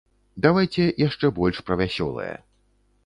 Давайце яшчэ больш пра вясёлае.